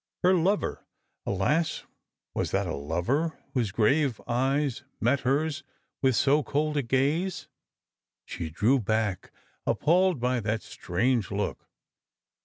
Her lover ! Alas, was that a lover whose grave eyes met hers with so cold a gaze ? She drew back, appalled by that strange look.